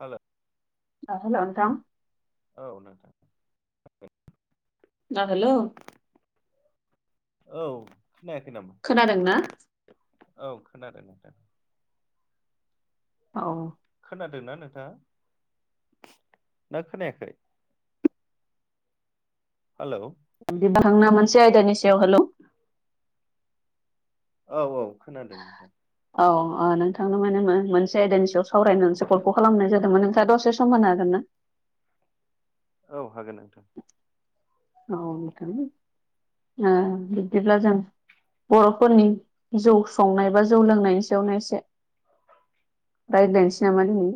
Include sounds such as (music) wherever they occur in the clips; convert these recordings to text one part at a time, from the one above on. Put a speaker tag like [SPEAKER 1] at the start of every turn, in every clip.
[SPEAKER 1] हाल'
[SPEAKER 2] औ हेल' नोंथां।
[SPEAKER 1] औ नोंथां (unintelligible)
[SPEAKER 2] ना हेल'।
[SPEAKER 1] औ खोनायाखै नामा
[SPEAKER 2] खोनादों ना।
[SPEAKER 1] औ खोनादों नोंथां।
[SPEAKER 2] औ।
[SPEAKER 1] खोनादोंना नोंथाङा ना खोनायाखै हेल'।
[SPEAKER 2] बिबाहांना मोनसे आयदानि सायाव हेल'
[SPEAKER 1] औ औ खोनादों नोंथां
[SPEAKER 2] औ नोंथांनो माने मोनसे आयदानि सायाव सावरायनो होननानैसो कलखौ खालामनाय जादोंमोन नोंथाङा दसे सम होनो हागोन ना?
[SPEAKER 1] औ हागोन नोंथां।
[SPEAKER 2] औ (unintelligible) बिदिब्ला जों बर'फोरनि जौ संनाय बा जौ लोंनायनि सायावनो एसे रायज्लायनोसै नामा दिनै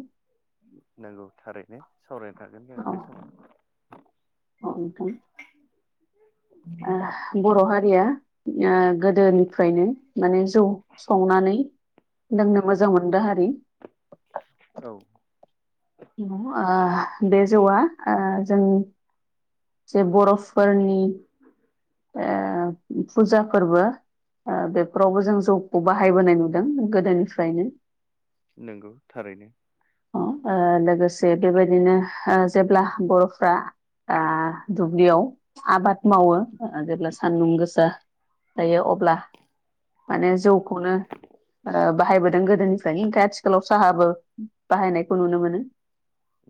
[SPEAKER 1] नांगौ थारैनो सावरायनो थागोन जोङो
[SPEAKER 2] औ
[SPEAKER 1] बे समाव
[SPEAKER 2] नोंथां ओ बर' हारिया ओ गोदो। निफ्रायनो माने जौ संनानै लोंनो मोजां मोनग्रा हारि
[SPEAKER 1] औ।
[SPEAKER 2] इम ओ बे जौआ ओ जों जे बर'फोरनि ओ फुजा फोरबो ओ बेफोरावबो जों जौखौ बाहायबोनाय नुदों गोदोनिफ्रायनो।
[SPEAKER 1] नंगौ थारैनो।
[SPEAKER 2] ओ लोगोसे बेबायदिनो ओ जेब्ला बर'फ्रा ओ दुब्लियाव आबाद मावो जेब्ला सान्दुं गोसा जायो अब्ला माने जौखौनो ओ। बाहायबोदों गोदोनिफ्रायनो नाथाय आथिखालाव साहाबो बाहायनायखौ नुनो मोनो।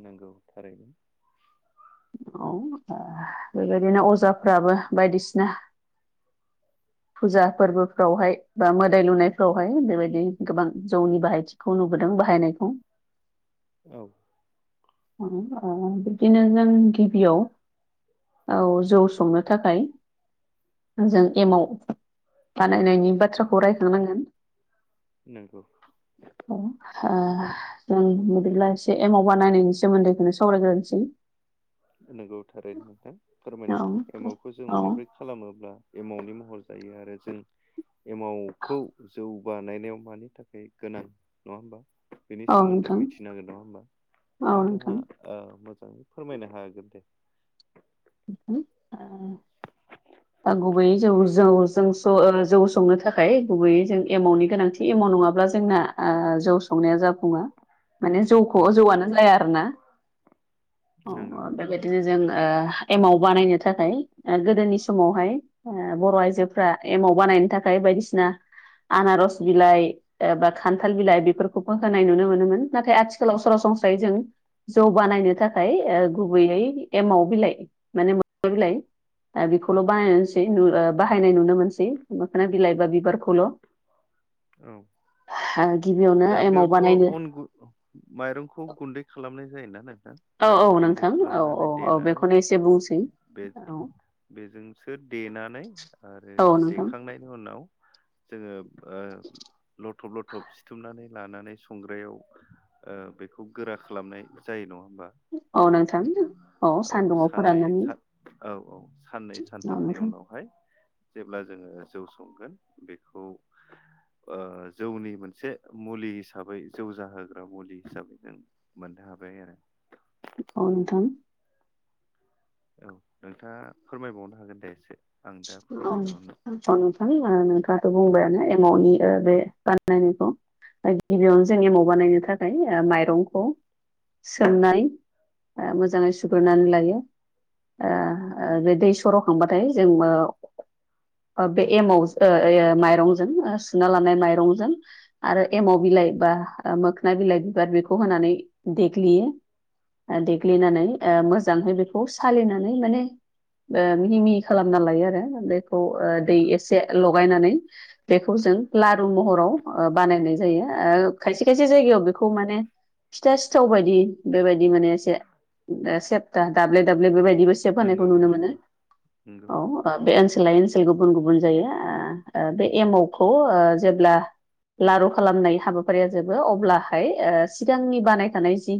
[SPEAKER 1] नंगौ थारैनो।
[SPEAKER 2] औ बेबायदिनो अजाफ्राबो बायदिसिना फुजा फोरबोफ्रावहाय बा मोदाय लुनायफ्रावहाय बेबायदि गोबां जौनि बाहायथि खौ नुबोदों बाहायनायखौ
[SPEAKER 1] औ।
[SPEAKER 2] अ (unintelligible) नों गिबियाव औ जौ संनो थाखाय जों एमाव बानायनायनि बाथ्राखौ रायखांनांगोन-
[SPEAKER 1] नंगौ
[SPEAKER 2] (unintelligible) जों बिदिब्ला एसे एमाव बानायनायनि सोमोन्दैखौनो सावरायग्रोनोसै
[SPEAKER 1] नोंगौ थारैनो फोरमायनो
[SPEAKER 2] औ
[SPEAKER 1] (unintelligible) एमावखौ जों माबोरै खालामोब्ला एमावनि महर जायो आरो जों एमावखौ जौ बानायनायाव मानि थाखाय गोनां नङा होमबा। बेनि
[SPEAKER 2] औ
[SPEAKER 1] सोमोन्दै
[SPEAKER 2] नोंथां
[SPEAKER 1] मिथिनो हागोन नङा होमबा
[SPEAKER 2] औ
[SPEAKER 1] नोंथाङा
[SPEAKER 2] नोंथां
[SPEAKER 1] मोजाङै फोरमायनो हागोन दे।
[SPEAKER 2] (inaudible) गुबैयै जौ जौ जों जौ संनो थाखाय गुबैयै जों एमावनि गोनांथि एमाव नङाब्ला जोंना जौ संनाया जाफुङा। माने जौखौ
[SPEAKER 1] औ
[SPEAKER 2] जौआनो जाया आरोना। औ
[SPEAKER 1] नंगौ
[SPEAKER 2] बेबाय बिदिनो जों एमाव बानायनो थाखाय गोदोनि समावहाय बर' आइजोफ्रा एमाव बानायनो थाखाय बायदिसिना आनारस बिलाइ, एबा खान्थाल बिलाइ बेफोरखौबो होनाय नुनो मोनोमोन नाथाय आथिखालाव सरासनस्रायै जों जौ बानायनो थाखाय ओ गुबैयै एमाव बिलाइ माने मोखना बिलाइ। बेखौल' बानायसै बाहायनाय नुनो मोनसै मोखोना बिलाइ बा बिबारखौल' (inaudible)
[SPEAKER 1] औ
[SPEAKER 2] गिबियाव
[SPEAKER 1] दा बेयावथ' अन गुन माइरंखौ गुन्दै खालामनाय जायोना नोंथां।
[SPEAKER 2] औ औ
[SPEAKER 1] माइरं गुन्दै
[SPEAKER 2] नोंथां औ औ
[SPEAKER 1] खालामनानै
[SPEAKER 2] औ
[SPEAKER 1] देनानै
[SPEAKER 2] बेखौनो एसे बुंसै
[SPEAKER 1] बे-
[SPEAKER 2] औ
[SPEAKER 1] बेजोंसो देनानै आरो
[SPEAKER 2] औ नोंथां
[SPEAKER 1] देखांनाय उनाव जोङो ओ लथब लथब बुथुमनानै लानानै संग्रायाव बेखौ गोरा खालामनाय जायो नङा होमबा?
[SPEAKER 2] औ नोंथां।
[SPEAKER 1] एमावखौ औ
[SPEAKER 2] सान्दुङाव
[SPEAKER 1] साननै
[SPEAKER 2] फोराननानै
[SPEAKER 1] सा औ औ साननै
[SPEAKER 2] औ
[SPEAKER 1] सानथामनि
[SPEAKER 2] नोंथां
[SPEAKER 1] उनावहाय जेब्ला जोङो जौ संगोन बेखौ जौनि मोनसे मुलि हिसाबै जौजाहोग्रा मुलि हिसाबै जों मोननो हाबाय आरो।
[SPEAKER 2] अ नोंथां।
[SPEAKER 1] औ नोंथाङा फोरमायबावनो हागोन दे एसे। आं दा
[SPEAKER 2] औ
[SPEAKER 1] फोरमायगोन
[SPEAKER 2] अ नोंथां नोंथाङाथ' बुंबायानो एमाउनि बे बाननायखौ। गिबियावनो जों एमाव बानायनो थाखाय ओ माइरंखौ सोमनाय मोजाङै सुग्रोननानै लायो। बे दै सरावखांबाथाय जों बे एमाव माइरंजों सुना लानाय माइरंजों आरो एमाव बिलाइ बा मोखोन बिलाइ बिबार बेखौ होनानै देग्लियो। देग्लिनानै मोजांहै बेखौ सालिनानै माने मिहि मिहि खालामना लायो आरो बे बेखौ दै
[SPEAKER 1] नंगौ
[SPEAKER 2] एसे लगायनानै बेखौ जों लारु महराव बानायनाय जायो खायसे खायसे जायगायाव बेखौ माने फिथा सिथाव बायदि बेबायदि माने एसे सेबथा दाब्ले दाब्ले बेबायदिबो सेब होनायखौ
[SPEAKER 1] नंगौ
[SPEAKER 2] नुनो मोनो
[SPEAKER 1] नंगौ नंगौ
[SPEAKER 2] औ बे ओनसोल ओनसोल गुबुन गुबुन जायो बे एमावखौ जेब्ला लारु खालामनाय हाबाफारिया जोबो अब्लाहाय सिगांनि बानाय खानाय जि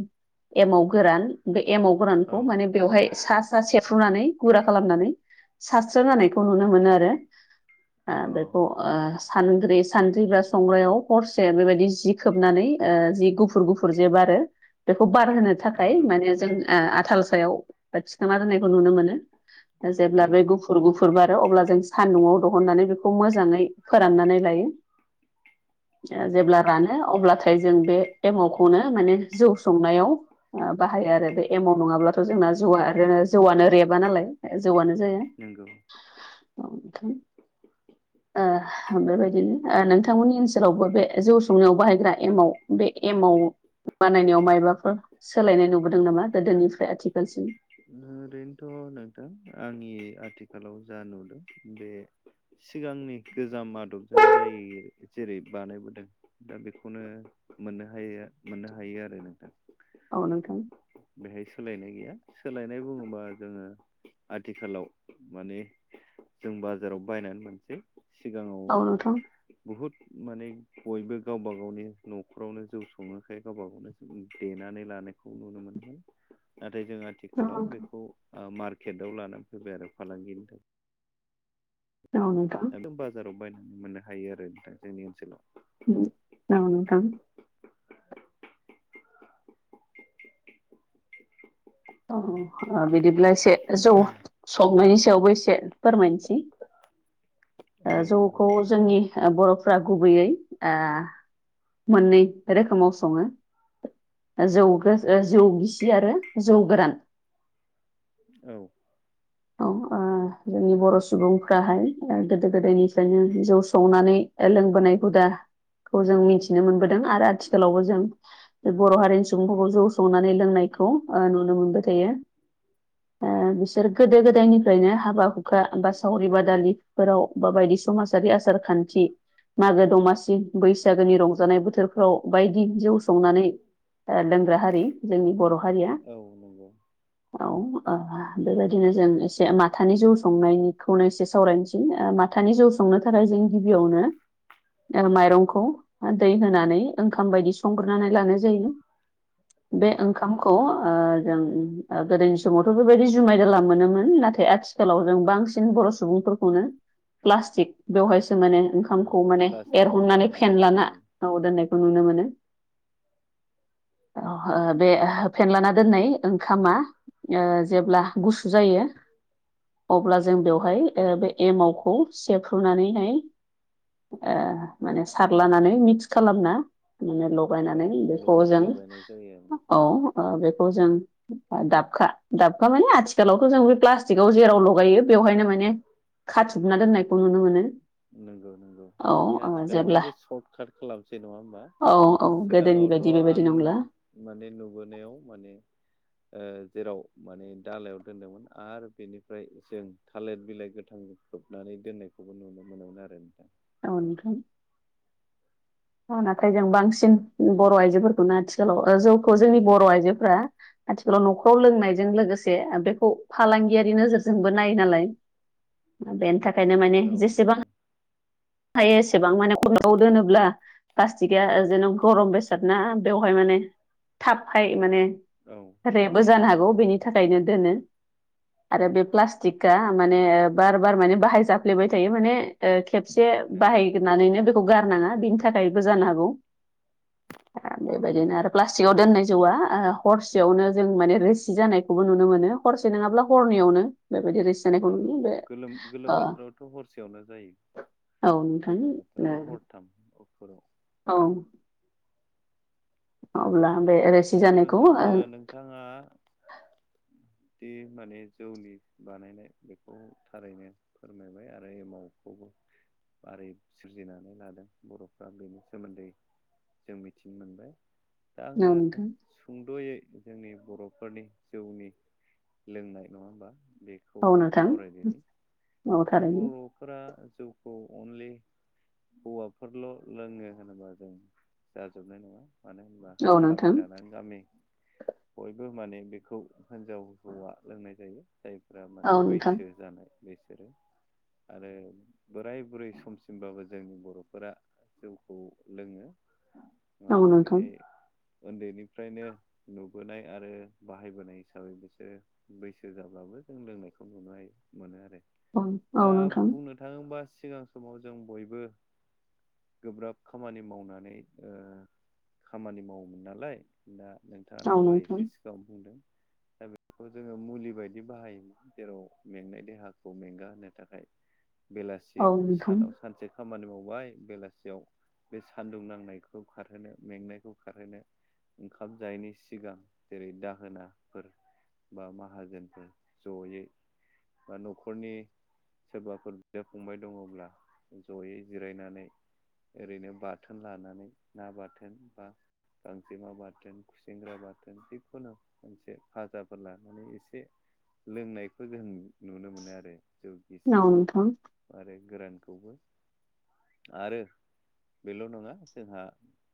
[SPEAKER 2] एमाव गोरान बे एमाव
[SPEAKER 1] औ
[SPEAKER 2] गोरानखौ माने बेवहाय सा सा सेेरबफ्रुनानै गुरा खालामनानै सा जानायखौ नुनो मोनो आरो
[SPEAKER 1] औ
[SPEAKER 2] बेखौ ओ सानद्रि सानद्रिब्लारा संग्रायाव हरसे बेबायदि जि खोबनानै जि गुफुर गुफुर जे बारो बेखौ बारहोनो थाखाय
[SPEAKER 1] नंगौ
[SPEAKER 2] माने जों आथाल सायाव थिखांना होनायखौ नुनो मोनो। जब्ला बे
[SPEAKER 1] नंगौ
[SPEAKER 2] गु फुर गुफुर बारो अब्ला जों सान्दुंआव दिहुननानै बेखौ मोजाङै फोराननानै लायो। जेब्ला रानो अब्लाथाय जों बे एमावखौनो माने जौ संनायाव बाहायो आरो बे एमाव नङाब्लाथ' जोंना जौवा आरो जौआनो रेबा नालाय। जौआनो जाया
[SPEAKER 1] नंगौ
[SPEAKER 2] ओ ओ बेबायदिनो नोंथांमोननि ओनसोलावबो बे जौ संनायाव बाहायग्रा एमाव बे एमाव बानायनायाव मायबाफोर सोलायनाय नुबोदों नामा गोदोनिफ्राय आथिखालसिम?
[SPEAKER 1] ओरैनोथ' नोंथां आंनि आथिखालाव जा नुदों बे सिगांनि गोजाम आदबजों जायो जेरै बानायबोदों दा बेखौनो मोननो हायो मोननो हायो आरो नोंथां।
[SPEAKER 2] अ नोंथां।
[SPEAKER 1] बेहाय सोलायनाय गैया। सोलायनाय बुङोबा जोङो आथिखालाव माने जों बाजाराव बायनानै मोनसै
[SPEAKER 2] औ
[SPEAKER 1] सिगाङाव
[SPEAKER 2] नोंथां
[SPEAKER 1] बुहुद माने बयबो गावबा गावनि न'खरावनो जौ सङोखाय गावबा गावनो बुं देनानै लानायखौ नुनो मोनहै नाथाय जों आथि
[SPEAKER 2] औ
[SPEAKER 1] आथिखालाव
[SPEAKER 2] नोंथां
[SPEAKER 1] बेखौ मार्केटाव लानानै फैबाय आरो फालांगिनि थाखाय।
[SPEAKER 2] औ नोंथां।
[SPEAKER 1] (unintelligible) बाजाराव बायनानै मोननो हायो आरो नोंथां जोंनि ओनसोलाव।
[SPEAKER 2] औ नोंथां। अ बिदिब्ला एसे जौ संनायनि सायावबो एसे फोरमायनोसै।
[SPEAKER 1] औ नंगौ
[SPEAKER 2] ओ-जौखौ जोंनि ओ-बर'फ्रा गुबैयै ओ-मोननै रोखोमाव सङो। ओ-जौ जौ गिसि आरो जौ गोरान।
[SPEAKER 1] औ
[SPEAKER 2] औ ओ- ओ-जोंनि बर' सुबुंफ्राहाय ओ-गोदो गोदायनिफ्रायनो जौ संनानै लोंबोनाय हुदा- खौ जों मिथिनो मोनबोदों आरो आथिखालावबो जों बे बर' हारिनि सुबुंफोरखौ जौ संनानै लोंनायखौ ओ-नुनो मोनबाय थायो। ओ- बिसोर गोदो गोदायनिफ्रायनो हाबा हुखा बा सावरि बादालिफोराव बा बायदि समाजारि आसार खान्थि। मागो दमासि बैसागुनि रंजानाय बोथोरफ्राव बायदि जौ संनानै ओ-लोंग्रा हारि जोंनि बर' हारिया।
[SPEAKER 1] औ नंगौ
[SPEAKER 2] औ आ बेबाय- दिनो जों एसे माथानि जौ संनायनिखौनो एसे सावरायनोसै ओ-माथानि जौ संनो थाखाय जों गिबियावनो ओ-माइरंखौ दै होनानै ओंखाम बायदि संग्रोनानै लानाय जायो। बे
[SPEAKER 1] नंगौ
[SPEAKER 2] ओंखामखौ ओ-जों ओ-गोदोनि समावथ' बेबायदि जुमाय गेला मोनोमोन नाथाय आथिखालाव जों बांसिन बर' सुबुंफोरखौनो प्लास्टिक बेवहायसो माने ओंखामखौ
[SPEAKER 1] नंगौ
[SPEAKER 2] माने
[SPEAKER 1] प्लास्टिकआव
[SPEAKER 2] एरहननानै
[SPEAKER 1] बाहायनाय नुनो
[SPEAKER 2] फेनलाना
[SPEAKER 1] मोनो
[SPEAKER 2] औ दोननायखौ नुनो मोनो। औ ओ-बे फेनलाना दोननाय ओंखामा ओ- जेब्ला गुसु जायो। अब्ला जों बेवहाय ओ-बे एमावखौ सेफ्रुनानैहाय ओ-माने सारलानानै मिक्स खालामना माने ल-
[SPEAKER 1] औ
[SPEAKER 2] गायनानै बेखौ
[SPEAKER 1] लगाय
[SPEAKER 2] जों
[SPEAKER 1] लगायनाय जायो
[SPEAKER 2] औ ओ-बेखौ जों दाबखा-दाबखा माने आथि- खालावथ' जों बे प्लास्टिकआव जेराव लगायो बेवहायनो माने खाथुबना दोननायखौ नुनो मोनो।
[SPEAKER 1] नंगौ नंगौ
[SPEAKER 2] औ
[SPEAKER 1] माने
[SPEAKER 2] ओ
[SPEAKER 1] आथिखालाव
[SPEAKER 2] जेब्ला
[SPEAKER 1] माने सर्ट काट खालामसै नङा होमबा?
[SPEAKER 2] औ औ गोदोनि
[SPEAKER 1] सिगाङावथ'
[SPEAKER 2] बायदि बेबायदि
[SPEAKER 1] आं
[SPEAKER 2] नंला
[SPEAKER 1] माने नुबोनायाव माने ओ-जेराव माने दालायाव दोनदोंमोन आरो बेनिफ्राय जों थालिर बिलाइ गोथांख्रबनानै दोननायखौबो नुनो मोनोमोन आरो नोंथां।
[SPEAKER 2] औ नोंथां ओ-नाथाय जों बांसिन बर' आइजोफोरखौनो आथिखालाव ओ-जौखौ जोंनि बर' आइजोफोरा आथिखालाव न'खराव लोंनायजों लोगोसे बेखौ फालांगियारि नोजोरजोंबो नायो नालाय। (inaudible) बेनि थाखायनो माने
[SPEAKER 1] औ
[SPEAKER 2] जेसेबां
[SPEAKER 1] नंगौ
[SPEAKER 2] हायो एसेबां माने खलाव दोनोब्ला प्लास्टिकआ जेन' गरम बेसाद ना बेवहाय माने थाबहाय माने
[SPEAKER 1] औ
[SPEAKER 2] रेबो जानो हागौ बेनि थाखायनो दोनो। आरो बे प्लास्टिकआ माने बार बार माने बाहाय जाफ्लेबाय थायो माने ओ-खेबसे
[SPEAKER 1] नंगौ
[SPEAKER 2] बाहायगोनानैनो बेखौ गारनाङा बेनि थाखायबो जानो हागौ। ओ-बेबायदिनो
[SPEAKER 1] नंगौ
[SPEAKER 2] आरो प्लास- टिगाव दोननाय जौआ ओ-हरसेयावनो जों माने रोसि जानायखौबो नुनो मोनो हरसे नङाब्ला हरनैयावनो। बेबायदि रिस-
[SPEAKER 1] नंगौ गोलोम-गोलोम बोथोरावथ' हरसेयावनो जायो।
[SPEAKER 2] नोंथां
[SPEAKER 1] गोजां बोथोराव हरथाम अक्टराव
[SPEAKER 2] औ अब्ला बे रोसि जानायखौ ओ
[SPEAKER 1] बिथाङा दि माने जौनि बानायनाय बेखौ थारैनो फोरमायबाय आरो एमावखौबो बारै सोरजिनानै लादों बर'फ्रा बेनि सोमोन्दै जों मिथिनो मोनबाय दा आङो
[SPEAKER 2] नोंथां
[SPEAKER 1] सुंद'यै जोंनि बर'फोरनि जौनि लोंनाय नङा होमबा? बे खौ
[SPEAKER 2] औ नोंथां
[SPEAKER 1] सावरायदोनि
[SPEAKER 2] औ
[SPEAKER 1] दा
[SPEAKER 2] थारैनो
[SPEAKER 1] बर'फोरा जौखौ अनलि हौवाफोरल' लोङो होनोबा जों जाजोबनाय नङा मानो होनबा
[SPEAKER 2] औ
[SPEAKER 1] गामि
[SPEAKER 2] नोंथां
[SPEAKER 1] लानानै गामि बयबो माने बेखौ हिनजाव हौवा लोंनाय जायो जायफ्रा माने
[SPEAKER 2] औ नोंथां
[SPEAKER 1] बैसो जानाय बिसोरो आरो बोराय बुरै समसिमबाबो जोंनि बर'फोरा जौखौ लोङो
[SPEAKER 2] औ
[SPEAKER 1] माने
[SPEAKER 2] नोंथां
[SPEAKER 1] बेहाय उन्दैनिफ्रायनो नुबोनाय आरो बाहायबोनाय हिसाबै बिसोरो बैसो जाबाबो जों लोंनायखौ नुनो मोनो आरो
[SPEAKER 2] औ औ
[SPEAKER 1] दा
[SPEAKER 2] नोंथां
[SPEAKER 1] बुंनो थाङोबा सिगां समाव जों बयबो गोब्राब खामानि मावनानै ओ खामानि माव मोन नालाय दा
[SPEAKER 2] औ
[SPEAKER 1] नोंथाङानो दहाय
[SPEAKER 2] नोंथां
[SPEAKER 1] एसे सिगाङावनो बुंदों दा बेखौ जोङो मुलि बायदि बाहायोमोन जेराव मेंनाय देहाखौ मेंगा होनो थाखाय
[SPEAKER 2] औ
[SPEAKER 1] बेलासियाव
[SPEAKER 2] नोंथां
[SPEAKER 1] सानाव सानसे खामानि मावबाय बेलासियाव बे सान्दुं नांनायखौ खारहोनो मेंनायखौ खारहोनो ओंखाम जायैनि सिगां जेरै दाहोनाफोर बा माहाजोनफोर जयै बा न'खरनि सोरबाफोर बिदा फंबाय दङब्ला जयै जिरायनानै ओरैनो बाथोन लानानै ना बाथोन बा गांजेमा बाथोन खुसेंग्रा बाथोन जिखुनु मोनसे फाजा फोर लानानै एसे लोंनायखौ जों नुनो मोनो आरो जौ
[SPEAKER 2] औ
[SPEAKER 1] गिसिखौ
[SPEAKER 2] नोंथां
[SPEAKER 1] आरो गोरानखौबो आरो बेल' नङा जोंहा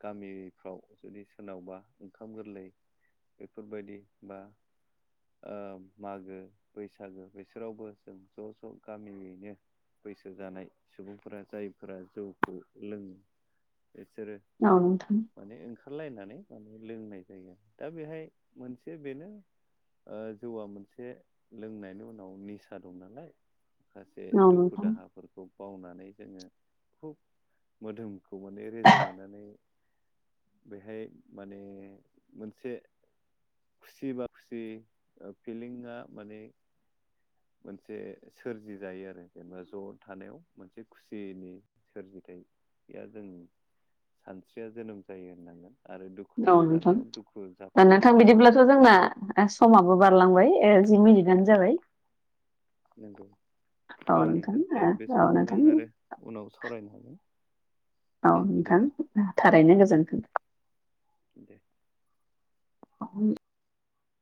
[SPEAKER 1] गामिफ्राव जुदि सोरनावबा ओंखाम गोरलै बेफोरबायदि बा ओ मागो बैसागो बिसोरावबो जों ज' ज' गामियैनो बैसो जानाय सुबुंफोरा जायफोरा जौखौ लोङो बिसोरो
[SPEAKER 2] औ नोंथां
[SPEAKER 1] माने ओंखारलायनानै माने लोंनाय जायो दा बेहाय मोनसे बेनो ओ जौआ मोनसे लोंनायनि उनाव निसा दं नालाय माखासे
[SPEAKER 2] औ
[SPEAKER 1] दुखु
[SPEAKER 2] नोंथां
[SPEAKER 1] दाहाफोरखौ बावनानै जोङो खुब मोदोमखौ माने रेजें मोननानै बेहाय माने मोनसे खुसि बा खुसि फिलिंआ माने मोनसे सोरजि जायो आरो जेनेबा ज' थानायाव मोनसे खुसिनि सोरजिथाया जों सानस्रिया जोनोम जायो होननांगोन आरो दुखु
[SPEAKER 2] औ नोंथां
[SPEAKER 1] जानायाव दुखु
[SPEAKER 2] दा
[SPEAKER 1] जाफानो
[SPEAKER 2] नोंथां
[SPEAKER 1] हानाय बायदि
[SPEAKER 2] बिदिब्लाथ' जोंना दा समाबो बारलांबाय जि मिनिटनो जाबाय
[SPEAKER 1] नंगौ औ नोंथां दे
[SPEAKER 2] ओ
[SPEAKER 1] बे
[SPEAKER 2] औ
[SPEAKER 1] समाव जों
[SPEAKER 2] नोंथां
[SPEAKER 1] आरो उनाव सावरायनो हागोन
[SPEAKER 2] औ
[SPEAKER 1] दे बिदिब्ला
[SPEAKER 2] नोंथां थारैनो गोजोन्थों
[SPEAKER 1] दे
[SPEAKER 2] (unintelligible)